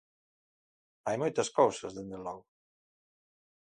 Hai moitas cousas, dende logo.